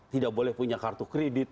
tidak boleh punya kartu kredit